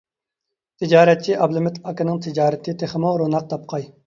تىجارەتچى ئابلىمىت ئاكىنىڭ تىجارىتى تېخىمۇ روناق تاپقاي!